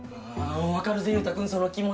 わかるぜ勇太くんその気持ち。